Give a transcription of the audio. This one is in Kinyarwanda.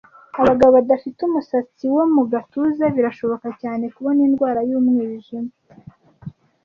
Abagabo badafite umusatsi wo mu gatuza birashoboka cyane kubona indwara yumwijima